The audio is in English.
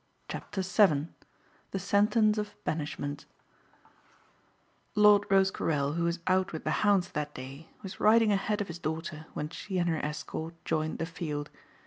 CHAPTER SEVEN THE SENTENCE OF BANISHMENT Lord Rosecarrel who was out with the hounds that day was riding ahead of his daughter when she and her escort joined the field.